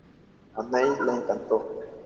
A Neil le encantó.